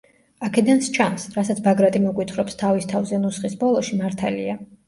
აქედან სჩანს, რასაც ბაგრატი მოგვითხრობს თავის თავზე ნუსხის ბოლოში, მართალია.